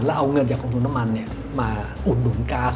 แล้วเอาเงินจากกองทุนน้ำมันมาอุดหนุนก๊าซ